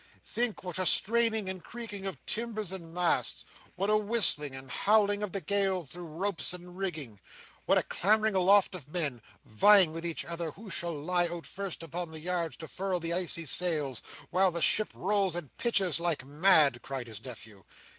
Think what a straining and creaking of timbers and masts: what a whistling and howling of the gale through ropes and rigging:" "What a clambering aloft of men, vying with each other who shall lie out first upon the yards to furl the icy sails, while the ship rolls and pitches, like mad!" cried his nephew.